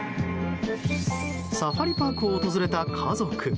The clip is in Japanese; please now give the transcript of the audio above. サファリパークを訪れた家族。